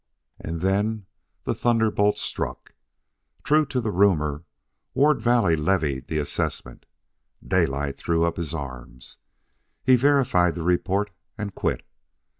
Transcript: And then the thunderbolt struck. True to the rumor, Ward Valley levied the assessment. Daylight threw up his arms. He verified the report and quit.